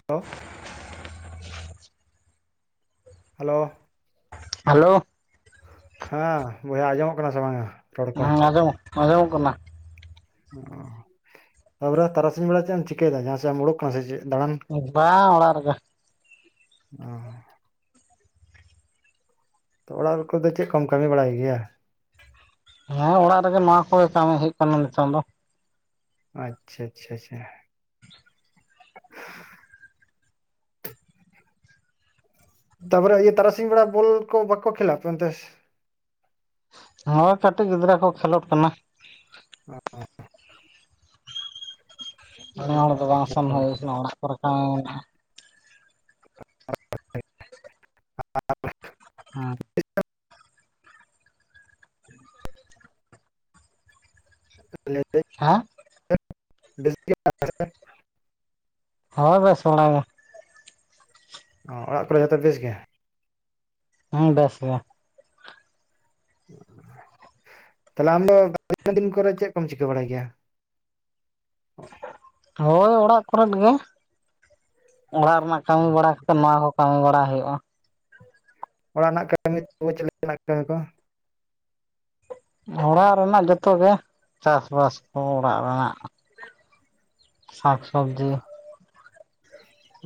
[unintelligible] Hello hello ᱦᱮᱸ ᱵᱚᱭᱦᱟ ᱟᱸᱡᱚᱢᱚᱜ ᱠᱟᱱᱟ ᱥᱮ ᱵᱟᱝᱟ? ᱨᱚᱲ ᱠᱚ? ᱦᱮᱸ ᱟᱸᱡᱚᱢᱚᱜ ᱟᱸᱡᱚᱢᱚᱜ ᱠᱟᱱᱟ᱾ ᱚ ᱛᱟᱯᱚᱨᱮ ᱛᱟᱨᱟᱥᱤᱧ ᱵᱮᱲᱟ ᱪᱮᱜ ᱮᱢ ᱪᱤᱠᱟᱹᱭᱮᱫᱟ ᱡᱟᱦᱟ ᱥᱮᱢ ᱩᱰᱩᱠ ᱠᱟᱱᱟ ᱥᱮ ᱪᱮᱜ ᱫᱟᱬᱟᱱ? ᱵᱟ ᱚᱲᱟᱜ ᱨᱮᱜᱮ᱾ ᱚ ᱛᱚ ᱚᱲᱟᱜ ᱠᱚᱫᱚ ᱪᱮᱜ ᱠᱚᱢ ᱠᱟᱹᱢᱤ ᱵᱟᱲᱟᱭ ᱜᱮᱭᱟ? ᱦᱮᱸ ᱚᱲᱟᱜ ᱨᱮᱜᱮ ᱱᱚᱣᱟ ᱠᱚᱜᱮ ᱠᱟᱹᱢᱤ ᱦᱩᱭᱩᱜ ᱠᱟᱱᱟ ᱱᱤᱛᱚᱝ ᱫᱚ᱾ ᱟᱪᱪᱷᱟ ᱟᱪᱪᱷᱟ ᱟᱪᱪᱷᱟ [inaudible] ᱛᱟᱯᱚᱨᱮ ᱤᱭᱟᱹ ᱛᱟᱨᱟᱥᱤᱝ ᱵᱮᱲᱟ ᱵᱚᱞ ᱠᱚ ᱵᱟᱠᱚ ᱠᱷᱮᱞᱟ ᱟᱯᱮ ᱚᱱᱛᱮᱥ? ᱦᱳᱭ ᱠᱟᱹᱴᱤᱡ ᱜᱤᱫᱽᱨᱟᱹ ᱠᱚ ᱠᱷᱮᱞᱳᱰ ᱠᱟᱱᱟ᱾ [inaudible] ᱱᱮ ᱦᱚᱲ ᱫᱚ ᱵᱟᱝ ᱥᱮᱱ ᱦᱩᱭ ᱠᱟᱱᱟ ᱚᱲᱟᱜ ᱠᱚᱨᱮ ᱜᱮ ᱦᱮᱸ [unintelligible] [inaudible] ᱞᱟᱹᱭ ᱫᱟᱹᱧ ᱦᱮᱸ [unintelligible] ᱵᱤᱥ ᱦᱳᱭ ᱵᱮᱥ ᱵᱟᱲᱟᱜᱮ᱾ ᱚ ᱚᱲᱟᱜ ᱠᱚᱨᱮ ᱡᱚᱛᱚ ᱵᱮᱥ ᱜᱮ? ᱦᱮᱸ ᱵᱮᱥ ᱜᱮ᱾ ᱛᱟᱦᱞᱮ ᱟᱢ ᱫᱚ [unintelligible] ᱫᱤᱱ ᱠᱚᱨᱮ ᱪᱮᱜ ᱠᱚᱢ ᱪᱤᱠᱟᱹ ᱵᱟᱲᱟᱭ ᱜᱮᱭᱟ? ᱦᱳᱭ ᱚᱲᱟᱜ ᱠᱚᱨᱮᱫ ᱜᱮ ᱚᱲᱟᱜ ᱨᱮᱱᱟᱜ ᱠᱟᱹᱢᱤ ᱵᱟᱲᱟ ᱠᱟᱛᱮ ᱱᱚᱣᱟ ᱦᱚ ᱵᱟᱝ ᱵᱟᱲᱟᱭ ᱦᱩᱭᱩᱜᱼᱟ᱾ ᱚᱲᱟᱜ ᱨᱮᱱᱟᱜ [unintelligible] ᱪᱮᱫ ᱠᱟᱹᱢᱤ ᱠᱚ? ᱚᱲᱟᱜ ᱨᱮᱱᱟᱜ ᱡᱚᱛᱚ ᱜᱮ ᱪᱟᱥᱵᱟᱥ ᱠᱚ ᱚᱲᱟᱜ ᱨᱮᱱᱟᱜ᱾ ᱥᱟᱠ ᱥᱚᱵᱽᱡᱤ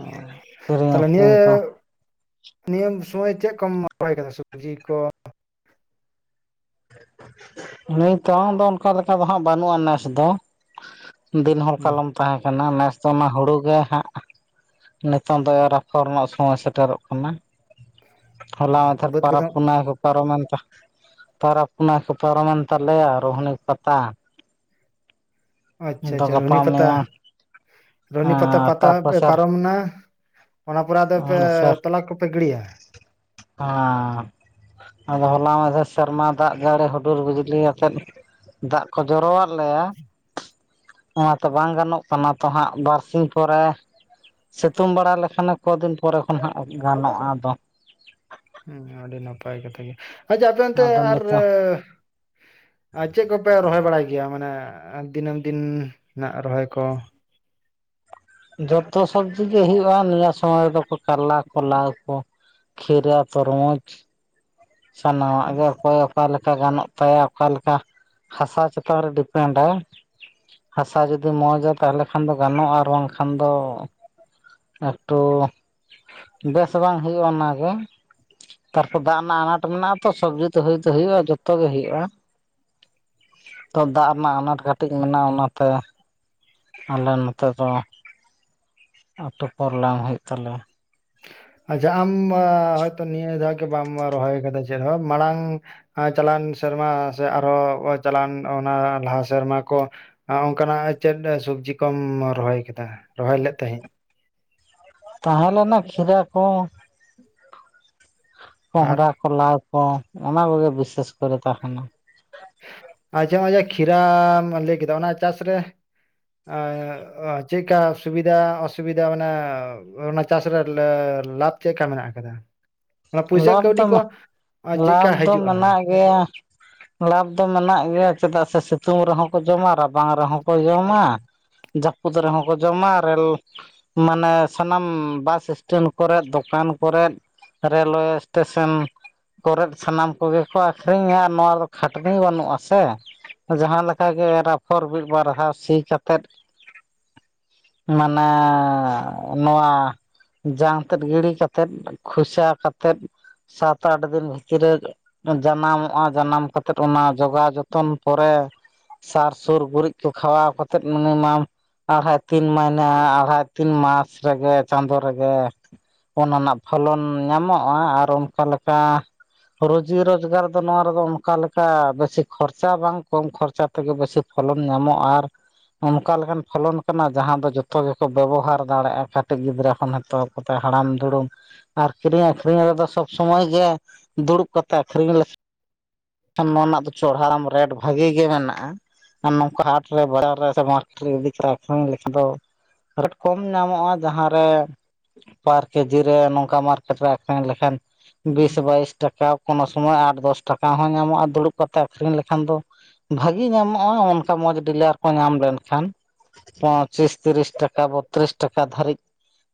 ᱚ ᱠᱤᱨᱤᱧ ᱛᱟᱦᱞᱮ ᱱᱤᱭᱟᱹ ᱟᱹᱠᱷᱨᱤᱧ ᱠᱚ ᱱᱤᱭᱟᱹ ᱥᱚᱢᱚᱭ ᱪᱮᱜ ᱠᱚᱢ ᱨᱚᱦᱚᱭ ᱠᱟᱫᱟ ᱥᱚᱵᱡᱤ ᱠᱚ? ᱱᱤᱛᱚᱝ ᱫᱚ ᱚᱱᱠᱟ ᱞᱮᱠᱟ ᱫᱚᱦᱟᱸᱜ ᱵᱟᱹᱱᱩᱜᱼᱟ ᱱᱮᱥ ᱫᱚ᱾ ᱫᱤᱱ ᱦᱚᱞ ᱦᱩᱸ ᱠᱟᱞᱚᱢ ᱛᱟᱦᱮᱸ ᱠᱟᱱᱟ, ᱱᱮᱥ ᱫᱚ ᱚᱱᱟ ᱦᱩᱲᱩ ᱜᱮ ᱦᱟᱸᱜ ᱱᱤᱛᱚᱝ ᱫᱚ ᱮᱨ ᱟᱯᱷᱚᱨ ᱨᱮᱱᱟᱜ ᱥᱚᱢᱚᱭ ᱥᱮᱴᱮᱨᱚᱜ ᱠᱟᱱᱟ᱾ ᱚ, ᱦᱚᱞᱟ ᱢᱟᱫᱷᱮᱨ ᱵᱟᱹᱫᱽ ᱠᱚᱫᱚ ᱯᱟᱨᱚᱵᱽ ᱯᱩᱱᱟᱭ ᱠᱚ ᱯᱟᱨᱚᱢᱮᱱ ᱛᱮ᱾ ᱛᱟᱨᱟᱯ ᱚᱱᱟ ᱠᱚ ᱯᱟᱨᱚᱢᱮᱱ ᱛᱟᱞᱮᱭᱟ ᱟᱨ ᱨᱚᱦᱚᱱᱤ ᱯᱟᱛᱟ᱾ ᱟᱪᱪᱷᱟ ᱟᱫᱚ ᱟᱪᱪᱷᱟ ᱜᱟᱯᱟ ᱨᱚᱱᱤ ᱯᱟᱛᱟ ᱢᱮᱭᱟᱝ ᱨᱚᱦᱱᱤ ᱯᱟᱛᱟ ᱯᱟᱛᱟ ᱛᱟᱨ ᱯᱟᱥᱮᱨ ᱯᱟᱨᱚᱢᱱᱟ᱾ ᱚᱱᱟ ᱯᱚᱨᱮ ᱟᱫᱚ ᱯᱮ ᱛᱚᱞᱟ ᱠᱚᱯᱮ ᱜᱤᱲᱤᱭᱟ? ᱟᱸ ᱟᱫᱚ ᱦᱚᱞᱟ ᱢᱟᱫᱷᱮᱨ ᱥᱮᱨᱢᱟ ᱫᱟᱜ ᱡᱟᱹᱲᱤ ᱦᱩᱰᱩᱨ ᱵᱩᱤᱡᱽᱞᱤ ᱟᱛᱮᱫ ᱫᱟᱜ ᱠᱚ ᱡᱚᱨᱚᱣᱟᱫ ᱞᱮᱭᱟ᱾ ᱱᱚᱣᱟ ᱛᱚ ᱵᱟᱝ ᱜᱟᱱᱚᱜ ᱠᱟᱱᱟ ᱛᱚ ᱦᱟᱸᱜ ᱵᱟᱨᱥᱤᱧ ᱯᱚᱨᱮ ᱥᱤᱛᱩᱝ ᱵᱟᱲᱟ ᱞᱮᱠᱷᱟᱱᱮ ᱠᱚᱫᱤᱱ ᱯᱚᱨᱮ ᱠᱷᱚᱱ ᱦᱟᱸᱜ ᱜᱟᱱᱚᱜᱼᱟ ᱟᱫᱚ᱾ ᱦᱮᱸ ᱟᱹᱰᱤ ᱱᱟᱯᱟᱭ ᱠᱟᱛᱷᱟ ᱜᱮ ᱟᱪᱪᱷᱟ ᱟᱯᱮ ᱮᱱᱛᱮ ᱟᱫᱚ ᱟᱨ ᱱᱤᱛᱚᱜ ᱟᱨ ᱪᱮᱜ ᱠᱚᱯᱮ ᱨᱚᱦᱚᱭ ᱵᱟᱲᱟᱭ ᱜᱮᱭᱟ ᱢᱟᱱᱮ ᱫᱤᱱᱟᱹᱢ ᱫᱤᱱ ᱱᱟᱜ ᱨᱚᱦᱚᱭ ᱠᱚ? ᱡᱚᱛᱚ ᱥᱚᱵᱡᱤ ᱜᱮ ᱦᱳᱭᱳᱜᱼᱟ ᱱᱤᱭᱟᱹ ᱥᱚᱢᱚᱭ ᱨᱮᱫᱚ ᱠᱚ ᱠᱟᱨᱞᱟ ᱠᱚ ᱞᱟᱣ ᱠᱚ ᱠᱷᱤᱨᱟ ᱛᱚᱨᱢᱩᱡᱽ ᱥᱟᱱᱟᱢᱟᱜ ᱜᱮ ᱚᱠᱚᱭ ᱚᱠᱟ ᱞᱮᱠᱟ ᱜᱟᱱᱚᱜ ᱛᱟᱭᱟ ᱚᱠᱟ ᱞᱮᱠᱟ ᱦᱟᱥᱟ ᱪᱮᱛᱟᱱ ᱨᱮ ᱰᱤᱯᱮᱱᱰᱟᱭ ᱦᱟᱥᱟ ᱡᱩᱫᱤ ᱢᱚᱡᱟ ᱛᱟᱦᱚᱞᱮ ᱠᱷᱟᱱ ᱫᱚ ᱜᱟᱱᱚᱜᱼᱟ ᱟᱨ ᱵᱟᱝᱠᱷᱟᱱ ᱫᱚ ᱮᱠᱴᱩ ᱵᱮᱥ ᱵᱟᱝ ᱦᱩᱭᱩᱜᱼᱟ ᱚᱱᱟᱜᱮ ᱛᱟᱨᱯᱚᱨ ᱫᱟᱜ ᱨᱮᱱᱟᱜ ᱟᱱᱟᱴ ᱯᱟᱴ ᱢᱮᱱᱟᱜᱼᱟ ᱛᱚ ᱥᱚᱵᱡᱤ ᱫᱚ ᱦᱩᱭ ᱫᱚ ᱦᱩᱭᱩᱜᱼᱟ ᱡᱚᱛᱚ ᱜᱮ ᱦᱩᱭᱩᱜᱼᱟ ᱾ ᱛᱚ ᱫᱟᱜ ᱨᱮᱱᱟᱜ ᱟᱱᱟᱴ ᱠᱟᱹᱴᱤᱡ ᱢᱮᱱᱟᱜᱼᱟ ᱚᱱᱟᱛᱮ ᱟᱞᱮ ᱱᱚᱛᱮ ᱫᱚ ᱟᱹᱛᱩ ᱯᱚᱨ ᱞᱟᱝ ᱦᱩᱭᱩᱜ ᱛᱟᱞᱮᱭᱟ ᱾ ᱟᱪᱷᱟ ᱟᱢ ᱦᱚᱭᱛᱚ ᱱᱤᱭᱟᱹ ᱫᱷᱟᱣ ᱜᱮ ᱵᱟᱢ ᱨᱚᱦᱚᱭ ᱟᱠᱟᱫᱟ ᱪᱮᱫᱦᱚᱸ ᱢᱟᱲᱟᱝ ᱾ ᱪᱟᱞᱟᱣ ᱮᱱ ᱥᱮᱨᱢᱟ ᱥᱮ ᱟᱨᱚ ᱪᱟᱞᱟᱱ ᱚᱱᱟ ᱞᱟᱦᱟ ᱥᱮᱨᱢᱟ ᱠᱚ ᱚᱱᱠᱟᱱᱟᱜ ᱪᱮᱫ ᱥᱚᱵᱡᱤ ᱠᱚᱢ ᱨᱚᱦᱚᱭ ᱠᱮᱫᱟ ᱨᱚᱦᱚᱭ ᱞᱮᱫ ᱛᱟᱦᱮᱸᱫ ᱛᱟᱦᱮᱸ ᱞᱮᱱᱟ ᱠᱷᱤᱨᱟ ᱠᱚ ᱠᱚᱦᱚᱸᱰᱟ ᱟᱨ ᱠᱚᱞᱟ ᱠᱚ ᱚᱱᱟ ᱠᱚᱜᱮ ᱵᱤᱥᱮᱥ ᱠᱚᱨᱮ ᱛᱟᱦᱮᱱᱟ ᱾ ᱢᱟᱡᱷᱮ ᱢᱟᱡᱷᱮ ᱠᱷᱤᱨᱟᱢ ᱞᱟᱹᱭ ᱠᱮᱫᱟ ᱚᱱᱟ ᱪᱟᱥ ᱨᱮ ᱪᱮᱫᱠᱟ ᱥᱩᱵᱤᱫᱟ ᱚᱥᱩᱵᱤᱫᱟ ᱢᱟᱱᱮ ᱚᱱᱟ ᱪᱟᱥ ᱨᱮ ᱞᱟᱵᱷ ᱪᱮᱫ ᱞᱮᱠᱟ ᱢᱮᱱᱟᱜ ᱟᱠᱟᱫᱟ ᱾ ᱚᱱᱟ ᱯᱩᱭᱥᱟᱹ ᱞᱟᱵᱷ ᱠᱟᱹᱣᱰᱤ ᱫᱚ ᱠᱚ ᱟᱨ ᱪᱮᱫᱠᱟ ᱞᱟᱵᱷ ᱫᱚ ᱦᱤᱡᱩᱜᱼᱟ ᱾ ᱢᱮᱱᱟᱜ ᱜᱮᱭᱟ [inaudible] ᱞᱟᱵᱷ ᱫᱚ ᱢᱮᱱᱟᱜ ᱜᱮᱭᱟ ᱪᱮᱫᱟᱜ ᱥᱮ ᱥᱤᱛᱩᱝ ᱨᱮᱦᱚᱸ ᱠᱚ ᱡᱚᱢᱟ ᱨᱟᱵᱟᱝ ᱨᱮᱦᱚᱸ ᱠᱚ ᱡᱚᱢᱟ ᱾ ᱡᱟᱹᱯᱩᱫ ᱨᱮᱦᱚᱸ ᱠᱚ ᱡᱚᱢᱟ [unintelligible] ᱢᱟᱱᱮ ᱥᱟᱱᱟᱢ ᱵᱟᱥ ᱥᱴᱮᱱᱰ ᱠᱚᱨᱮ ᱫᱚᱠᱟᱱ ᱠᱚᱨᱮ ᱨᱮᱞᱳᱣᱮ ᱥᱴᱮᱥᱚᱱ ᱠᱚᱨᱮᱫ ᱥᱟᱱᱟᱢ ᱠᱚᱜᱮ ᱠᱚ ᱟᱹᱠᱷᱨᱤᱧᱟ ᱟᱨ ᱱᱚᱣᱟ ᱫᱚ ᱠᱷᱟᱹᱴᱱᱤ ᱵᱟᱹᱱᱩᱜᱼᱟ ᱥᱮ ᱡᱟᱦᱟᱸᱞᱮᱠᱟᱜᱮ ᱮᱨᱟᱯᱷᱚᱲ [unintelligible] ᱢᱤᱫ ᱵᱟᱨᱟ ᱥᱤ ᱠᱟᱛᱮᱜ ᱢᱟᱱᱮ ᱱᱚᱣᱟ ᱡᱟᱝ ᱛᱮᱫ ᱜᱤᱰᱤ ᱠᱟᱛᱮᱫ ᱠᱷᱩᱥᱟ ᱠᱟᱛᱮᱫ ᱥᱟᱛ ᱟᱴ ᱫᱤᱱ ᱵᱷᱤᱛᱨᱤ ᱨᱮ ᱡᱟᱱᱟᱢᱚᱜᱼᱟ ᱡᱟᱱᱟᱢ ᱠᱟᱛᱮᱫ ᱚᱱᱟ ᱡᱚᱜᱟᱣ ᱡᱚᱛᱚᱱ ᱯᱚᱨᱮ ᱥᱟᱨ ᱥᱩᱨ ᱜᱩᱨᱤᱡ ᱠᱚ ᱠᱷᱟᱣᱟᱣ ᱠᱟᱛᱮ ᱢᱤᱱᱤᱢᱟᱢ ᱟᱲᱦᱟᱭ ᱛᱤᱱ ᱢᱟᱭᱱᱟᱹ ᱟᱲᱦᱟᱭ ᱛᱤᱱ ᱢᱟᱥ ᱨᱮᱜᱮ ᱪᱟᱸᱫᱳ ᱨᱮᱜᱮ ᱚᱱᱟ ᱨᱮᱱᱟᱜ ᱯᱷᱚᱞᱚᱱ ᱧᱟᱢᱚᱜᱼᱟ ᱟᱨ ᱚᱱᱠᱟ ᱞᱮᱠᱟ ᱾ ᱨᱩᱡᱤ ᱨᱳᱡᱽᱜᱟᱨ ᱫᱚ ᱱᱚᱣᱟ ᱨᱮᱫᱚ ᱚᱱᱠᱟ ᱞᱮᱠᱟ ᱵᱮᱥᱤ ᱠᱷᱚᱨᱪᱟ ᱵᱟᱝ ᱠᱚᱢ ᱠᱷᱚᱨᱪᱟ ᱾ ᱛᱮᱜᱮ ᱵᱮᱥᱤ ᱯᱷᱚᱞᱚᱱ ᱧᱟᱢᱚᱜᱼᱟ ᱟᱨ ᱾ ᱚᱱᱠᱟ ᱞᱮᱠᱟᱱ ᱯᱷᱚᱞᱚᱱ ᱠᱟᱱᱟ ᱡᱟᱦᱟᱸ ᱫᱚ ᱡᱚᱛᱚ ᱜᱮᱠᱚ ᱵᱮᱵᱚᱦᱟᱨ ᱫᱟᱲᱮᱭᱟᱜᱼᱟ ᱠᱟᱹᱴᱤᱡ ᱜᱤᱫᱽᱨᱟᱹ ᱠᱷᱚᱱ ᱱᱤᱛᱚᱜ ᱦᱟᱲᱟᱢ ᱫᱩᱲᱩᱢ ᱟᱨ ᱠᱤᱨᱤᱧ ᱟᱹᱠᱷᱨᱤᱧ ᱨᱮᱫᱚ ᱥᱚᱵ ᱥᱚᱢᱚᱭ ᱜᱮ ᱫᱩᱲᱩᱵ ᱠᱟᱛᱮ ᱟᱠᱷᱨᱤᱧ ᱞᱮ ᱱᱚᱣᱟ ᱨᱮᱱᱟᱜ ᱫᱚ ᱪᱚᱲᱦᱟᱢ [unintelligible] ᱨᱮᱴ ᱵᱷᱟᱜᱤ ᱜᱮ ᱢᱮᱱᱟᱜᱼᱟ ᱟᱨ ᱱᱚᱝᱠᱟ ᱦᱟᱴᱨᱮ ᱵᱟᱡᱟᱨ ᱨᱮ ᱥᱮ ᱢᱟᱴ ᱨᱮ ᱤᱫᱤ ᱠᱟᱛᱮ ᱟᱠᱷᱨᱤᱧ ᱞᱮᱠᱷᱟᱱ ᱫᱚ ᱨᱮᱴ ᱠᱚᱢ ᱧᱟᱢᱚᱜᱼᱟ ᱡᱟᱦᱟᱸᱨᱮ ᱵᱟᱨ ᱠᱮᱡᱤ ᱨᱮ ᱱᱚᱝ ᱚᱱᱠᱟ ᱢᱟᱨᱠᱮᱴ ᱨᱮ ᱟᱠᱷᱨᱤᱧ ᱞᱮᱠᱷᱟᱱ ᱵᱤᱥ ᱵᱟᱭᱤᱥ ᱴᱟᱠᱟ ᱠᱚᱱᱳ ᱥᱚᱢᱚᱭ ᱟᱴ ᱫᱚᱥ ᱴᱟᱠᱟ ᱦᱚᱸ ᱧᱟᱢᱚᱜᱼᱟ ᱫᱩᱲᱩᱵ ᱠᱟᱛᱮ ᱟᱠᱷᱨᱤᱧ ᱞᱮᱠᱷᱟᱱ ᱫᱚ ᱵᱷᱟᱜᱤ ᱧᱟᱢᱚᱜᱼᱟ ᱚᱱᱠᱟ ᱢᱚᱸᱡᱽ ᱰᱤᱞᱟᱨ ᱠᱚ ᱧᱟᱢ ᱞᱮᱱᱠᱷᱟᱱ ᱯᱚᱪᱤᱥ ᱛᱤᱨᱤᱥ ᱴᱟᱠᱟ ᱵᱚᱛᱛᱨᱤᱥ ᱴᱟᱠᱟ ᱫᱷᱟᱹᱨᱤᱡ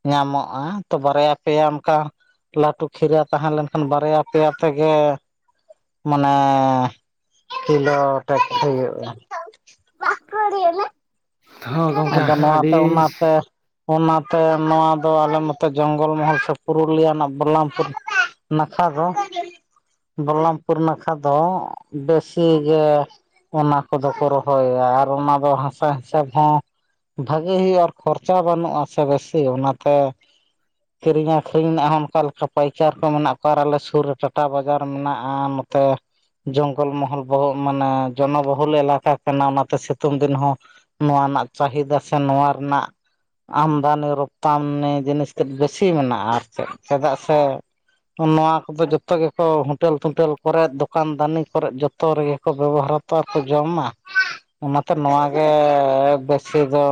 ᱧᱟᱢᱚᱜᱼᱟ ᱛᱚ ᱵᱟᱨᱭᱟ ᱯᱮᱭᱟᱢ ᱾ ᱞᱟᱹᱴᱩ ᱠᱷᱤᱨᱟᱹ ᱛᱟᱦᱮᱸ ᱞᱮᱱᱠᱷᱟᱱ ᱵᱟᱨᱭᱟ ᱯᱮᱭᱟ ᱛᱮᱜᱮ ᱢᱟᱱᱮ ᱠᱤᱞᱳ [unintelligible] ᱦᱩᱭᱩᱜᱼᱟ [unintelligible] ᱦᱚᱸ ᱜᱚᱝᱠᱮ ᱟᱫᱚ ᱱᱚᱣᱟ ᱛᱮ ᱟᱹᱰᱤ ᱚᱱᱟ ᱛᱮ ᱚᱱᱟ ᱛᱮ ᱱᱚᱣᱟ ᱫᱚ ᱟᱞᱮ ᱱᱚᱛᱮ ᱡᱚᱝᱜᱚᱞ ᱢᱚᱦᱚᱞ ᱥᱮ ᱯᱩᱨᱩᱞᱤᱭᱟ ᱨᱮᱱᱟᱜ ᱵᱚᱨᱞᱟᱢᱯᱩᱨ ᱱᱟᱠᱷᱟ ᱫᱚ ᱵᱚᱞᱞᱟᱢᱯᱩᱨ ᱱᱟᱠᱷᱟ ᱫᱚ ᱵᱮᱥᱤ ᱜᱮ ᱚᱱᱟ ᱠᱚᱫᱚ ᱠᱚ ᱨᱚᱦᱚᱭᱟ ᱟᱨ ᱚᱱᱟ ᱫᱚ ᱦᱟᱥᱟ ᱾ [unintelligible] ᱵᱷᱟᱜᱮ ᱦᱩᱭᱩᱜᱼᱟ ᱟᱨ ᱠᱷᱚᱨᱪᱟ ᱵᱟᱹᱱᱩᱜᱼᱟ ᱥᱮ ᱵᱮᱥᱤ ᱚᱱᱟᱛᱮ ᱠᱤᱨᱤᱧ ᱟᱹᱠᱷᱨᱤᱧ ᱨᱮᱱᱟᱜ ᱦᱚᱸ ᱚᱱᱠᱟ ᱞᱮᱠᱟ ᱯᱟᱭᱠᱟᱨ ᱠᱚ ᱢᱮᱱᱟᱜ ᱠᱚᱣᱟ ᱟᱨ ᱟᱞᱮ ᱥᱩᱨ ᱨᱮ ᱴᱟᱴᱟ ᱵᱟᱡᱟᱨ ᱢᱮᱱᱟᱜᱼᱟ ᱛᱮ ᱡᱚᱝᱜᱚᱞ ᱢᱚᱦᱚᱞ ᱵᱚᱦᱚᱜ ᱢᱟᱱᱮ ᱡᱚᱱᱚ ᱵᱚᱦᱩᱞ ᱮᱞᱟᱠᱟ ᱠᱟᱱᱟ ᱚᱱᱟ ᱛᱮ ᱥᱤᱛᱩᱝ ᱫᱤᱱ ᱦᱚᱸ ᱱᱚᱣᱟ ᱨᱮᱱᱟᱜ ᱪᱟᱦᱤᱫᱟ ᱥᱮ ᱱᱚᱣᱟ ᱨᱮᱱᱟᱜ ᱟᱢᱫᱟᱱᱤ ᱨᱚᱯᱛᱟᱱᱤ ᱡᱤᱱᱤᱥ ᱛᱮᱫ ᱵᱮᱥᱤ ᱢᱮᱱᱟᱜᱼᱟ ᱟᱨ ᱪᱮᱫ ᱪᱮᱫᱟᱜ ᱥᱮ ᱱᱚᱣᱟ ᱠᱚᱫᱚ ᱡᱚᱛᱚ ᱜᱮᱠᱚ ᱦᱳᱴᱮᱞ ᱛᱳᱴᱮᱞ ᱠᱚᱨᱮ ᱫᱚᱠᱟᱱ ᱫᱟᱹᱱᱤ ᱠᱚᱨᱮ ᱡᱚᱛᱚ ᱡᱚᱛᱚ ᱨᱮᱜᱮ ᱠᱚ ᱵᱮᱵᱚᱦᱟᱨ ᱛᱚ ᱟᱨ ᱠᱚ ᱡᱚᱢᱟ ᱚᱱᱟᱛᱮ ᱱᱚᱣᱟ ᱜᱮ ᱵᱮᱥᱤ ᱫᱚ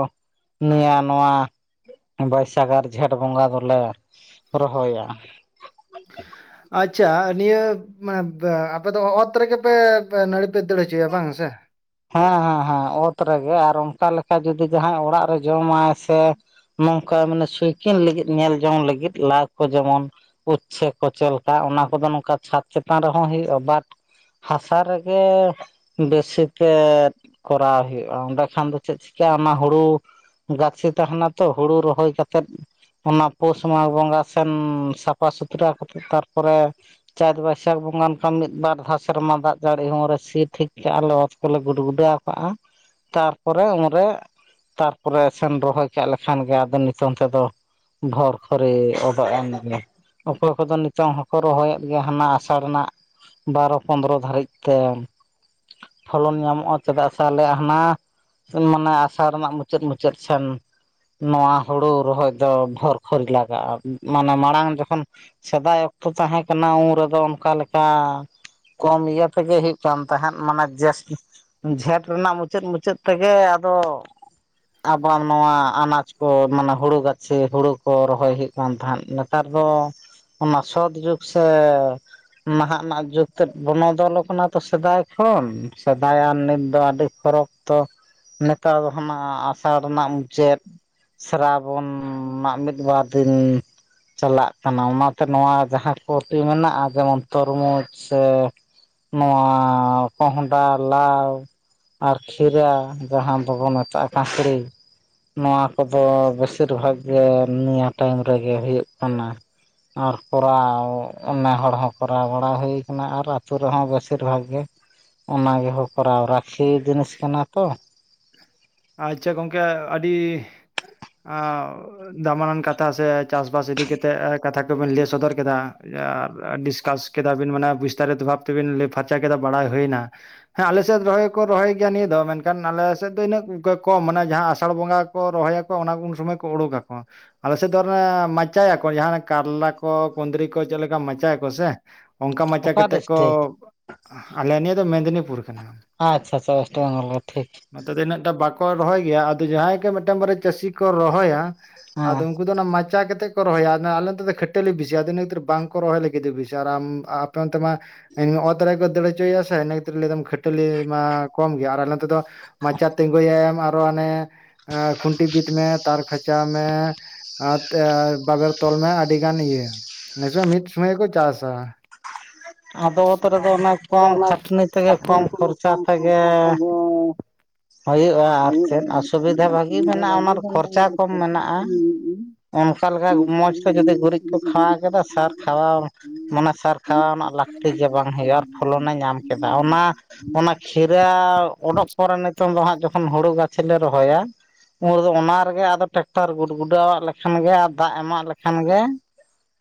ᱱᱤᱭᱟᱹ ᱱᱚᱣᱟ ᱵᱟᱹᱭᱥᱟᱜᱽ ᱟᱨ ᱡᱷᱮᱸᱴ ᱵᱚᱸᱜᱟ ᱫᱚᱞᱮ ᱨᱚᱦᱚᱭᱟ ᱟᱪᱪᱷᱟ ᱱᱤᱭᱟᱹ ᱢᱟᱱᱮ ᱟᱯᱮ ᱫᱚ ᱚᱛ ᱨᱮᱜᱮ ᱯᱮ ᱱᱟᱹᱲᱤ ᱯᱮ ᱫᱟᱹᱲ ᱦᱚᱪᱚᱭᱟ ᱵᱟᱝ ᱥᱮ ᱦᱮᱸ ᱦᱮᱸ ᱦᱮᱸ ᱚᱛ ᱨᱮᱜᱮ ᱟᱨ ᱚᱱᱠᱟ ᱞᱮᱠᱟ ᱡᱩᱫᱤ ᱡᱟᱦᱟᱸᱭ ᱚᱲᱟᱜ ᱨᱮ ᱡᱚᱢᱟᱭ ᱥᱮ ᱱᱚᱝᱠᱟ ᱢᱟᱱᱮ ᱥᱩᱭᱠᱤᱱ ᱞᱟᱹᱜᱤᱫ ᱧᱮᱞ ᱡᱚᱝ ᱞᱟᱹᱜᱤᱫ [unintelligible] ᱠᱚ ᱡᱮᱢᱚᱱ ᱩᱪᱪᱷᱮ ᱠᱚ ᱪᱮᱫ ᱞᱮᱠᱟ ᱚᱱᱟ ᱠᱚᱫᱚ ᱱᱚᱝᱠᱟ ᱪᱷᱟᱛ ᱪᱮᱛᱟᱱ ᱨᱮᱦᱚᱸ ᱦᱩᱭᱩᱜᱼᱟ ᱵᱟᱴᱼᱼ ᱦᱟᱥᱟ ᱨᱮᱜᱮ ᱵᱮᱥᱤ ᱠᱷᱮᱛ ᱠᱚᱨᱟᱣ ᱦᱩᱭᱩᱜ-ᱟ ᱚᱸᱰᱮ ᱠᱷᱟᱱ ᱫᱚ ᱪᱮᱫ ᱪᱤᱠᱟᱹ ᱚᱱᱟ ᱦᱳᱲᱳ ᱜᱟᱹᱪᱷᱤ ᱛᱟᱦᱮᱱᱟ ᱛᱚ ᱦᱳᱲᱳ ᱨᱚᱦᱚᱭ ᱠᱟᱛᱮᱜ ᱚᱱᱟ ᱯᱳᱥ ᱢᱟᱜᱽ ᱵᱚᱸᱜᱟ ᱥᱮᱱ ᱥᱟᱯᱷᱟ ᱥᱩᱛᱷᱨᱟᱹ ᱠᱟᱛᱮᱜ ᱛᱟᱨᱯᱚᱨᱮ ᱪᱟᱹᱛ ᱵᱟᱹᱭᱥᱟᱹᱠᱷ ᱵᱚᱸᱜᱟᱱ ᱠᱷᱟᱱ ᱢᱤᱫ ᱵᱟᱨ ᱫᱷᱟᱣ ᱥᱮᱨᱢᱟ ᱫᱟᱜ ᱡᱟᱹᱲᱤ ᱦᱚᱸ ᱨᱮ ᱥᱤ ᱴᱷᱤᱠ ᱠᱟᱜ-ᱟ ᱞᱮ ᱚᱛ ᱠᱚᱞᱮ ᱜᱩᱰ ᱜᱩᱰᱟᱣ ᱠᱟᱜ-ᱟ ᱛᱟᱨᱯᱚᱨᱮ ᱩᱱᱨᱮ ᱛᱟᱨᱯᱚᱨᱮ ᱥᱮᱱ ᱨᱚᱦᱚᱭ ᱠᱟᱜ ᱞᱮᱠᱷᱟᱱ ᱜᱮ ᱟᱫᱚ ᱱᱤᱛᱚᱝ ᱛᱮᱫᱚ ᱵᱷᱚᱨ ᱠᱷᱚᱨᱮ ᱚᱰᱚᱜ ᱮᱱᱜᱮ ᱚᱠᱚᱭ ᱠᱚᱫᱚ ᱱᱤᱛᱚᱝ ᱦᱚᱠᱚ ᱨᱚᱦᱚᱭᱮᱫ ᱜᱮᱭᱟ ᱦᱟᱱᱟ ᱟᱥᱟᱲ ᱨᱮᱱᱟᱜ ᱵᱟᱨᱚ ᱯᱚᱸᱫᱨᱚ ᱫᱷᱟᱹᱨᱤᱡ ᱛᱮ ᱯᱷᱚᱞᱚᱱ ᱧᱟᱢᱚᱜ-ᱟ ᱪᱮᱫᱟᱜ ᱥᱮ ᱟᱞᱮᱭᱟᱜ ᱦᱟᱱᱟ ᱢᱟᱱᱮ ᱟᱥᱟᱲ ᱨᱮᱱᱟᱜ ᱢᱩᱪᱟᱹᱫ ᱢᱩᱪᱟᱹᱫ ᱥᱮᱱ ᱱᱚᱣᱟ ᱦᱳᱲᱳ ᱨᱚᱦᱚᱭ ᱫᱚ ᱵᱷᱚᱨ ᱠᱷᱚᱨᱤ ᱞᱟᱜᱟᱜ-ᱟ ᱢᱟᱱᱮ ᱢᱟᱲᱟᱝ ᱡᱚᱠᱷᱚᱱ ᱥᱮᱫᱟᱭ ᱚᱠᱛᱚ ᱛᱟᱦᱮ ᱠᱟᱱᱟ ᱩᱱ ᱨᱮᱫᱚ ᱚᱱᱠᱟ ᱞᱮᱠᱟ ᱠᱚᱢ ᱤᱭᱟᱹ ᱛᱮᱜᱮ ᱦᱩᱭᱩᱜ ᱠᱟᱱ ᱛᱟᱦᱮᱫ ᱢᱟᱱᱮ ᱡᱟᱹᱥᱛᱤ ᱡᱷᱮᱸᱴ ᱨᱮᱱᱟᱜ ᱢᱩᱪᱟᱹᱫ ᱢᱩᱪᱟᱹᱫ ᱛᱮᱜᱮ ᱟᱫᱚ ᱟᱵᱟᱨ ᱱᱚᱣᱟ ᱟᱱᱟᱡᱽ ᱠᱚ ᱢᱟᱱᱮ ᱦᱳᱲᱳ ᱜᱟᱹᱪᱷᱤ ᱦᱳᱲᱳ ᱠᱚ ᱨᱚᱦᱚᱭ ᱦᱩᱭᱩᱜ ᱠᱟᱱᱟ ᱠᱟᱱ ᱛᱟᱦᱮᱸᱫ ᱱᱮᱛᱟᱨ ᱫᱚ ᱚᱱᱟ ᱥᱚᱛ ᱡᱩᱜᱽ ᱥᱮ ᱱᱟᱦᱟᱜ ᱨᱮᱱᱟᱜ ᱡᱩᱜ ᱛᱮᱫ ᱵᱚᱱᱚᱫᱚᱞᱚᱜ ᱠᱟᱱᱟ ᱛᱚ ᱥᱮᱫᱟᱭ ᱠᱷᱚᱱ ᱥᱮᱫᱟᱭ ᱟᱨ ᱱᱤᱛ ᱫᱚ ᱟᱹᱰᱤ ᱯᱷᱚᱨᱚᱠ ᱛᱮ ᱱᱮᱛᱟᱨ ᱫᱚ ᱦᱟᱱᱟᱜ ᱟᱥᱟᱲ ᱨᱮᱱᱟᱜ ᱢᱩᱪᱟᱹᱫ ᱥᱨᱟᱵᱚᱱ [unintelligible] ᱢᱤᱫ ᱵᱟᱨ ᱫᱤᱱ ᱪᱟᱞᱟᱜ ᱠᱟᱱᱟ ᱚᱱᱟᱛᱮ ᱱᱚᱣᱟ ᱡᱟᱦᱟᱸ ᱠᱚ ᱴᱤ ᱢᱮᱱᱟᱜ-ᱟ ᱡᱮᱢᱚᱱ ᱛᱚᱨᱢᱩᱡᱽ ᱥᱮ ᱱᱚᱣᱟ ᱠᱚᱸᱦᱼᱼ ᱰᱟ ᱞᱟᱣ ᱟᱨ ᱠᱷᱤᱨᱟ ᱡᱟᱦᱟᱸ ᱫᱚᱵᱚᱱ ᱢᱮᱛᱟᱜ-ᱟ ᱠᱟᱠᱲᱤ ᱱᱚᱣᱟ ᱠᱚᱫᱚ ᱵᱮᱥᱤᱨ ᱵᱷᱟᱜᱽ ᱜᱮ ᱱᱤᱭᱟᱹ ᱴᱟᱭᱤᱢ ᱨᱮᱜᱮ ᱦᱩᱭᱩᱜ ᱠᱟᱱᱟ ᱟᱨ ᱠᱚᱨᱟᱣ ᱚᱱᱟ ᱦᱚᱲ ᱦᱚᱸ ᱠᱚᱨᱟᱣ ᱵᱟᱲᱟ ᱦᱩᱭᱩᱜ ᱟᱨ ᱟᱹᱛᱳ ᱨᱮᱦᱚᱸ ᱵᱮᱥᱤᱨ ᱵᱷᱟᱜᱽ ᱜᱮ ᱚᱱᱟ ᱜᱮᱦᱚᱸ ᱠᱚᱨᱟᱣ ᱨᱟᱠᱷᱤ ᱡᱤᱱᱤᱥ ᱠᱟᱱᱟ ᱛᱚ ᱟᱪᱪᱷᱟ ᱜᱚᱢᱠᱮ ᱟᱹᱰᱤ ᱫᱟᱢᱟᱱᱟᱱ ᱠᱟᱛᱷᱟ ᱥᱮ ᱪᱟᱥᱵᱟᱥ ᱤᱫᱤ ᱠᱟᱛᱮᱜ ᱠᱟᱛᱷᱟ ᱠᱚᱵᱤᱱ ᱞᱟᱹᱭ ᱥᱚᱫᱚᱨ ᱠᱮᱫᱟ ᱟᱨ ᱰᱤᱥᱠᱟᱥ ᱠᱮᱫᱟ ᱵᱤᱱ ᱢᱟᱱᱮ ᱵᱤᱥᱛᱟᱨᱤᱛ ᱵᱷᱟᱵᱽᱼᱼ ᱛᱮᱵᱤᱱ ᱞᱟᱹᱭ ᱯᱷᱟᱨᱪᱟ ᱠᱮᱫᱟ ᱵᱟᱲᱟᱭ ᱦᱩᱭᱱᱟ ᱦᱮ ᱟᱞᱮᱥᱮᱫ ᱨᱚᱦᱚᱭ ᱠᱚ ᱨᱚᱦᱚᱭ ᱜᱮᱭᱟ ᱱᱤᱭᱟᱹ ᱫᱚ ᱢᱮᱱᱠᱷᱟᱱ ᱟᱞᱮ ᱥᱮᱼᱼ ᱥᱮᱫ ᱫᱚ ᱤᱱᱟᱹᱜ ᱠᱚᱢ ᱢᱟᱱᱮ ᱡᱟᱦᱟ ᱟᱥᱟᱲ ᱵᱚᱸᱜᱟ ᱠᱚ ᱨᱚᱦᱚᱭ ᱟᱠᱚ ᱚᱱᱟ ᱩᱱ ᱥᱚᱢᱚᱭ ᱠᱚ ᱩᱰᱩᱠ ᱟᱠᱚ ᱟᱞᱮ ᱥᱮᱫ ᱫᱚ ᱢᱟᱪᱟᱭᱟᱠᱚ ᱡᱟᱦᱟᱸ ᱠᱟᱨᱞᱟ ᱠᱚ ᱠᱩᱸᱫᱽᱨᱤ ᱠᱚ ᱪᱮᱫ ᱞᱮᱠᱟ ᱢᱟᱪᱟᱭᱟᱠᱚ ᱥᱮ ᱚᱱᱠᱟ ᱢᱟᱪᱟ ᱚᱠᱟ ᱠᱟᱛᱮᱫ ᱠᱚ ᱰᱤᱥᱴᱤᱠ ᱟᱞᱮ ᱱᱤᱭᱟᱹ ᱫᱚ ᱢᱮᱫᱽᱱᱤᱯᱩᱨ ᱠᱟᱱᱟ ᱟᱪᱪᱷᱟ ᱟᱪᱷᱟ ᱚᱭᱮᱥᱴ ᱵᱮᱝᱚᱞ ᱴᱷᱤᱠ ᱱᱚᱛᱮ ᱫᱚ ᱤᱱᱟᱹᱜᱴᱟ ᱵᱟᱠᱚ ᱨᱚᱦᱚᱭ ᱜᱮᱭᱟ ᱟᱫᱚ ᱡᱟᱦᱟᱭ ᱠᱚ ᱢᱤᱫᱴᱟᱝ ᱵᱟᱨᱭᱟ ᱪᱟᱹᱥᱤ ᱠᱚ ᱨᱚᱦᱚᱭᱟ ᱟᱫᱚ ᱦᱮᱸ ᱩᱱᱠᱩ ᱫᱚ ᱚᱱᱟ ᱢᱟᱪᱟ ᱠᱟᱛᱮᱫ ᱠᱚ ᱨᱚᱦᱭᱟ ᱟᱞᱮ ᱱᱚᱛᱮ ᱫᱚ ᱠᱷᱟᱹᱴᱟᱹᱞᱤ ᱵᱤᱥᱤᱭᱟ ᱤᱱᱟᱹ ᱠᱷᱟᱹᱛᱤᱨ ᱵᱟᱝᱠᱚ ᱨᱚᱦᱚᱭ ᱞᱟᱹᱜᱤᱫ ᱵᱤᱥᱤ ᱟᱨ ᱟᱢ ᱟᱯᱮ ᱚᱱᱛᱮ ᱢᱟ ᱚᱛ ᱨᱮ ᱠᱚ ᱫᱟᱹᱲ ᱦᱚᱪᱚᱭᱮᱭᱟ ᱥᱮ ᱤᱱᱟᱹ ᱠᱷᱟᱹᱛᱤᱨ ᱞᱟᱹᱭ ᱫᱟ ᱠᱷᱟᱹᱴᱟᱹᱞᱤ ᱢᱟ ᱠᱚᱢ ᱜᱮᱭᱟ ᱟᱨᱞᱮ ᱱᱚᱛᱮ ᱫᱚ ᱢᱟᱪᱟ ᱛᱤᱸᱜᱩᱭᱟᱭ ᱟᱨᱚ ᱮ ᱠᱷᱩᱱᱴᱤ ᱵᱤᱫ ᱢᱮ ᱢᱟᱪᱟᱣ ᱢᱮ ᱟᱨ ᱵᱟᱵᱮᱨ ᱛᱚᱞ ᱢᱮ ᱟᱹᱰᱤ ᱜᱟᱱ ᱤᱭᱟᱹ ᱱᱤᱡᱩᱢ ᱢᱤᱫ ᱥᱚᱢᱚᱭ ᱠᱚ ᱪᱟᱥᱟ ᱟᱫᱚ ᱚᱛ ᱨᱮᱫᱚ ᱚᱱᱟ ᱠᱚᱢ ᱚᱱᱟᱪ ᱠᱷᱟᱴᱱᱤ ᱛᱮᱜᱮ ᱠᱚᱢ ᱠᱷᱚᱨᱪᱟ ᱛᱮᱜᱮ ᱦᱩᱭᱩᱜ-ᱟ ᱟᱨ ᱪᱮᱫ ᱚᱥᱩᱵᱤᱫᱷᱟ ᱵᱷᱟᱹᱜᱤ ᱢᱮᱱᱟᱜ-ᱟ ᱚᱱᱟ ᱠᱷᱚᱨᱪᱟ ᱠᱚᱢ ᱢᱮᱱᱟᱜ-ᱟ ᱚᱱᱠᱟ ᱞᱮᱠᱟ ᱢᱚᱡᱽ ᱛᱮ ᱡᱩᱫᱤ ᱜᱩᱨᱤᱡ ᱠᱚ ᱠᱷᱟᱣᱟ ᱠᱮᱫᱟ ᱥᱟᱨ ᱠᱷᱟᱣᱟ ᱢᱟᱱᱮ ᱥᱟᱨ ᱠᱷᱟᱣᱟ ᱨᱮᱱᱟᱜ ᱞᱟᱹᱠᱛᱤ ᱡᱮ ᱵᱟᱝ ᱦᱩᱭᱩᱜ-ᱟ ᱟᱨ ᱯᱷᱚᱞᱚᱱᱮ ᱧᱟᱢ ᱠᱮᱫᱟ ᱚᱱᱟ ᱚᱱᱟ ᱠᱷᱤᱨᱟᱹ ᱚᱰᱳᱠ ᱚᱨᱮ ᱱᱤᱛᱚᱝ ᱫᱚ ᱦᱟᱜ ᱡᱚᱠᱷᱚᱱ ᱦᱩᱲᱩ ᱜᱟᱪᱷᱤ ᱞᱮ ᱨᱚᱦᱚᱭᱟ ᱩᱱᱫᱚ ᱚᱱᱟ ᱨᱮᱜᱮ ᱟᱫᱚ ᱴᱨᱟᱠᱴᱟᱨ ᱜᱩᱰ ᱜᱩᱰᱟᱣ ᱟᱜ ᱞᱮᱠᱷᱟᱱ ᱜᱮ ᱟᱨ ᱫᱟᱜ ᱮᱢᱟᱜ ᱞᱮᱠᱷᱟᱱ ᱜᱮ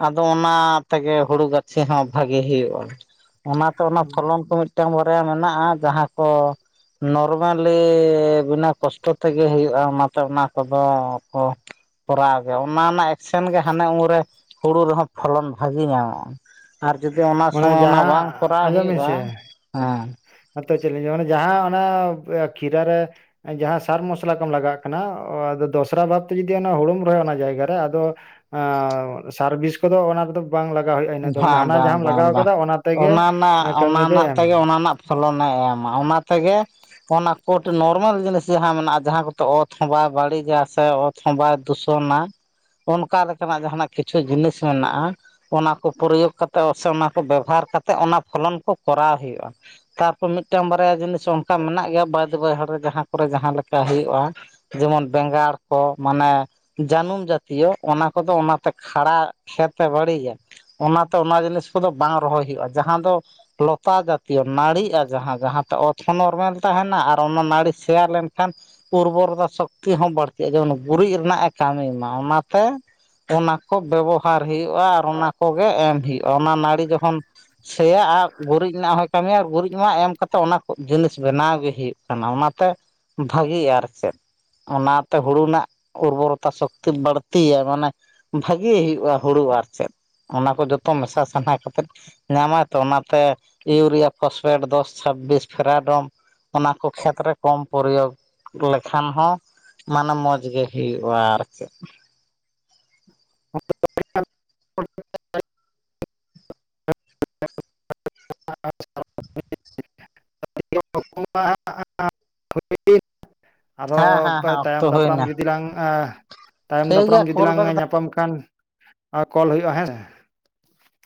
ᱟᱫᱚ ᱚᱱᱟ ᱛᱮᱜᱮ ᱦᱩᱲᱩ ᱜᱟᱹᱪᱷᱤ ᱦᱚ ᱵᱷᱟᱜᱤ ᱦᱩᱭᱩᱜ-ᱟ ᱚᱱᱟᱛᱮ ᱚᱱᱟ ᱯᱷᱚᱞᱚᱱ ᱠᱚ ᱢᱤᱫᱴᱟᱝ ᱵᱟᱨᱭᱟ ᱢᱮᱱᱟᱜᱼᱟ ᱡᱟᱦᱟᱸ ᱠᱚ ᱱᱚᱨᱢᱟᱞᱤ ᱵᱤᱱᱟᱹ ᱠᱚᱥᱴᱚ ᱛᱮᱜᱮ ᱦᱩᱭᱩᱜᱼᱟ ᱚᱱᱟᱛᱮ ᱚᱱᱟ ᱠᱚᱫᱚ ᱠᱚ ᱠᱚᱨᱟᱣ ᱜᱮ ᱚᱱᱟ ᱨᱮᱱᱟᱜ ᱮᱠᱥᱮᱱ ᱜᱮ ᱦᱟᱱᱮ ᱩᱱᱨᱮ ᱦᱩᱲᱩ ᱨᱮᱦᱚᱸ ᱯᱷᱚᱞᱚᱱ ᱵᱷᱟᱹᱜᱤ ᱧᱟᱢᱚᱜᱼᱟ ᱟᱨ ᱡᱩᱫᱤ ᱚᱱᱟ ᱢᱟᱱᱮ ᱥᱚᱢᱚᱭ ᱚᱱᱟ ᱡᱟᱦᱟᱸ ᱵᱟᱝ ᱠᱚᱨᱟᱣ ᱟᱸᱡᱚᱢ ᱵᱤᱱ ᱦᱩᱭᱩᱜᱼᱟ ᱥᱮ ᱦᱮᱸ [unintelligible] ᱢᱟᱱᱮ ᱡᱟᱦᱟᱸ ᱚᱱᱟ ᱠᱷᱤᱨᱟ ᱨᱮ ᱡᱟᱦᱟᱸ ᱥᱟᱨ ᱢᱚᱥᱞᱟ ᱠᱚᱢ ᱞᱟᱜᱟᱜ ᱠᱟᱱᱟᱫᱚ ᱫᱚᱥᱨᱟ ᱵᱷᱟᱵᱛᱮ ᱡᱩᱫᱤ ᱚᱱᱟ ᱦᱩᱲᱩᱢ ᱨᱚᱦᱚᱭ ᱚᱱᱟ ᱡᱟᱭᱜᱟᱨᱮ ᱟᱫᱚ ᱥᱟᱨ ᱵᱤᱥ ᱠᱚᱫᱚ ᱚᱱᱟ ᱨᱮᱫᱚ ᱵᱟᱝ ᱞᱟᱜᱟᱣ ᱦᱩᱭᱩᱜᱼᱟ ᱤᱱᱟᱹᱜ ᱫᱚ ᱢᱟᱱᱮ ᱵᱟᱝ ᱦᱟᱱᱟ ᱵᱟᱝ ᱡᱟᱦᱟᱢ ᱵᱟᱝ ᱞᱟᱜᱟᱣ ᱵᱟᱝ ᱠᱟᱫᱟ ᱚᱱᱟ ᱛᱮᱜᱮ ᱨᱮᱱᱟᱜ ᱚᱱᱟ ᱠᱟᱹᱢᱤ ᱫᱚᱭ ᱨᱮᱱᱟᱜ ᱮᱢᱟ ᱛᱮᱜᱮ ᱚᱱᱟ ᱨᱮᱱᱟᱜ ᱯᱷᱚᱞᱚᱱᱮ ᱮᱢᱟ ᱚᱱᱟ ᱛᱮᱜᱮ ᱚᱱᱟ ᱠᱚᱴᱤᱡ ᱱᱚᱨᱢᱮᱞ ᱡᱤᱱᱤᱥ ᱡᱟᱦᱟᱸ ᱢᱮᱱᱟᱜᱼᱟ ᱡᱟᱦᱟᱸ ᱠᱚᱫᱚ ᱚᱛ ᱦᱚᱸ ᱵᱟᱭ ᱵᱟᱹᱲᱤᱡᱟ ᱥᱮ ᱚᱛ ᱦᱚᱸ ᱵᱟᱭ ᱫᱩᱥᱚᱱᱟ ᱚᱱᱠᱟ ᱞᱮᱠᱟᱱᱟᱜ ᱡᱟᱦᱟᱱᱟᱜ ᱠᱤᱪᱷᱩ ᱡᱤᱱᱤᱥ ᱢᱮᱱᱟᱜ-ᱟ ᱚᱱᱟ ᱠᱚ ᱯᱨᱚᱭᱳᱜᱽ ᱠᱟᱛᱮ ᱥᱮ ᱚᱱᱟ ᱠᱚ ᱵᱮᱵᱚᱦᱟᱨ ᱠᱟᱛᱮ ᱚᱱᱟ ᱯᱷᱚᱞᱚᱱ ᱠᱚ ᱠᱚᱨᱟᱣ ᱦᱩᱭᱩᱜ-ᱟ ᱛᱟᱨᱯᱚᱨ ᱢᱤᱫᱴᱟᱝ ᱵᱟᱨᱭᱟ ᱡᱤᱱᱤᱥ ᱚᱱᱠᱟ ᱢᱮᱱᱟᱜ ᱜᱮᱭᱟ ᱵᱟᱹᱫ ᱵᱟᱹᱭᱦᱟᱹᱲ ᱨᱮ ᱡᱟᱦᱟᱸ ᱠᱚᱨᱮ ᱡᱟᱦᱟᱸ ᱞᱮᱠᱟ ᱦᱩᱭᱩᱜᱼᱟ ᱡᱮᱢᱚᱱ ᱵᱮᱸᱜᱟᱲ ᱠᱚ ᱢᱟᱱᱮ ᱡᱟᱹᱱᱩᱢ ᱡᱟᱹᱛᱤᱭᱚ ᱚᱱᱟ ᱠᱚᱫᱚ ᱚᱱᱟᱛᱮ ᱠᱷᱟᱲᱟ ᱠᱷᱮᱛ ᱮ ᱵᱟᱹᱲᱤᱡᱟ ᱚᱱᱟᱛᱮ ᱚᱱᱟ ᱡᱤᱱᱤᱥ ᱠᱚᱫᱚ ᱵᱟᱝ ᱨᱚᱦᱚᱭ ᱦᱩᱭᱩᱜᱼᱟ ᱡᱟᱦᱟᱸ ᱫᱚ ᱞᱚᱛᱟ ᱡᱟᱹᱛᱤᱭᱚ ᱱᱟᱹᱲᱤᱜᱼᱟ ᱡᱟᱦᱟᱸ ᱡᱟᱦᱟᱸᱛᱮ ᱚᱛ ᱦᱚᱸ ᱱᱚᱨᱢᱮᱞ ᱛᱟᱦᱮᱱᱟ ᱟᱨ ᱚᱱᱟ ᱱᱟᱹᱲᱤ ᱥᱮᱭᱟ ᱞᱮᱱᱠᱷᱟᱱ ᱩᱨᱵᱚᱨᱛᱟ ᱥᱚᱠᱛᱤ ᱦᱚᱸ ᱵᱟᱹᱲᱛᱤᱜᱼᱟ ᱡᱮᱢᱚᱱ ᱜᱩᱨᱤᱡ ᱨᱮᱱᱟᱜ ᱮ ᱠᱟᱹᱢᱤᱭ ᱢᱟ ᱚᱱᱟᱛᱮ ᱚᱱᱟ ᱠᱚ ᱵᱮᱵᱚᱦᱟᱨ ᱦᱩᱭᱩᱜᱼᱟ ᱟᱨ ᱚᱱᱟ ᱠᱚᱜᱮ ᱮᱢ ᱦᱩᱭᱩᱜᱼᱟ ᱚᱱᱟ ᱱᱟᱹᱲᱤ ᱡᱚᱠᱷᱚᱱ ᱥᱮᱭᱟᱜᱼᱟ ᱜᱩᱨᱤᱡ ᱨᱮᱱᱟᱜ ᱦᱚᱭ ᱠᱟᱹᱢᱤᱭᱟ ᱟᱨ ᱜᱩᱨᱤᱡ ᱢᱟ ᱮᱢ ᱠᱟᱛᱮᱫ ᱚᱱᱟ ᱠᱚ ᱡᱤᱱᱤᱥ ᱵᱮᱱᱟᱣ ᱜᱮ ᱦᱩᱭᱩᱜ ᱠᱟᱱᱟ ᱚᱱᱟᱛᱮ ᱵᱷᱟᱜᱤᱜᱼᱟ ᱟᱨ ᱪᱮᱫ ᱚᱱᱟᱛᱮ ᱦᱩᱲᱩ ᱨᱮᱱᱟᱜ ᱩᱨᱵᱚᱨᱚᱛᱟ ᱥᱚᱠᱛᱤ ᱵᱟᱹᱲᱛᱤᱭᱟ ᱢᱟᱱᱮ ᱵᱷᱟᱜᱮ ᱦᱩᱭᱩᱜᱼᱟ ᱦᱩᱲᱩ ᱟᱨ ᱪᱮᱫ ᱚᱱᱟ ᱠᱚ ᱡᱚᱛᱚ ᱢᱮᱥᱟ ᱥᱟᱦᱟ ᱠᱟᱛᱮᱫ ᱧᱟᱢᱟᱭ ᱛᱚ ᱚᱱᱟᱛᱮ ᱤᱭᱩᱨᱤᱭᱟ ᱯᱷᱚᱥᱯᱷᱮᱴ ᱫᱚᱥ ᱪᱷᱟᱵᱵᱤᱥ ᱯᱷᱮᱨᱟᱰᱚᱢ ᱚᱱᱟ ᱠᱚ ᱠᱷᱮᱛ ᱨᱮ ᱠᱚᱢ ᱯᱨᱚᱭᱳᱜᱽ ᱞᱮᱠᱷᱟᱱ ᱦᱚᱸ ᱢᱟᱱᱮ ᱢᱚᱡᱽ ᱜᱮ ᱦᱩᱭᱩᱜᱼᱟ ᱟᱨ ᱪᱮᱫ [inaudible] [inaudible] [inaudible] [unintelligible] ᱟᱨᱦᱚ ᱦᱮᱸ ᱦᱮᱸ ᱯᱮ ᱦᱮᱸ ᱚᱠᱛᱚ ᱛᱟᱭᱚᱢ ᱦᱩᱭᱱᱟ ᱫᱟᱯᱨᱟᱢ ᱡᱩᱫᱤ ᱞᱟᱝ ᱛᱟᱭᱚᱢ ᱴᱷᱤᱠ ᱫᱟᱯᱨᱟᱢ ᱜᱮᱭᱟ ᱡᱩᱫᱤ ᱠᱚᱞ ᱞᱟᱝ ᱵᱮᱠ ᱧᱟᱯᱟᱢ ᱠᱷᱟᱱ ᱠᱚᱞ ᱦᱩᱭᱩᱜᱼᱟ ᱦᱮᱸᱥᱮ